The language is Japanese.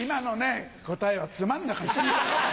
答えはつまんなかった。